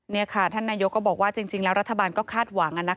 นี่ค่ะท่านนายกก็บอกว่าจริงแล้วรัฐบาลก็คาดหวัง